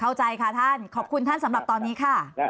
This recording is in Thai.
เข้าใจค่ะท่านขอบคุณท่านสำหรับตอนนี้ค่ะ